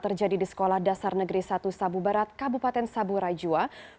terjadi di sekolah dasar negeri satu sabu barat kabupaten sabu rajwa